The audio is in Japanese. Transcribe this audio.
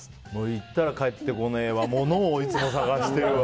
行ったら帰ってこねえわものをいつも探してるわ